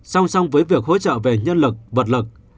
song song với việc hỗ trợ về nhân lực vật lực